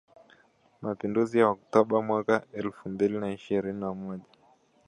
mapinduzi ya Oktoba mwaka elfu mbili na ishirini na moja